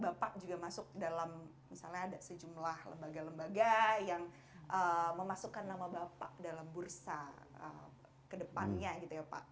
bapak juga masuk dalam misalnya ada sejumlah lembaga lembaga yang memasukkan nama bapak dalam bursa kedepannya gitu ya pak